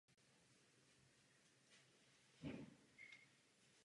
Obranu zesiluje odpalovací zařízení klamných cílů.